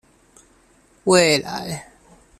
未來